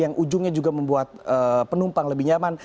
yang ujungnya juga membuat penumpang lebih nyaman